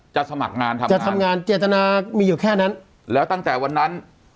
สมัครงานครับจะทำงานเจตนามีอยู่แค่นั้นแล้วตั้งแต่วันนั้น